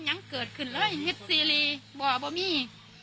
มันยังเกิดขึ้นเลยเห็ดซีรีย์บ่อบ่อมี่